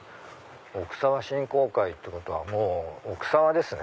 「奥沢親交会」ってことはもう奥沢ですね。